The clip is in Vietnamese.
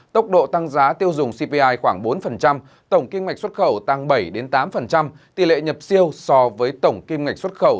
tốc độ tăng giá tiêu dùng cpi khoảng bốn tổng kim ngạch xuất khẩu tăng bảy tám tỷ lệ nhập siêu so với tổng kim ngạch xuất khẩu